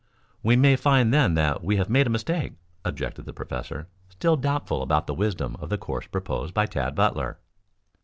"We may find, then, that we have made a mistake," objected the professor, still doubtful about the wisdom of the course proposed by Tad Butler.